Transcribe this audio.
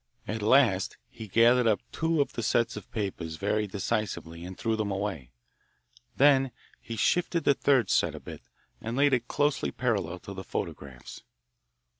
At last he gathered up two of the sets of papers very decisively and threw them away. Then he shifted the third set a bit, and laid it closely parallel to the photographs.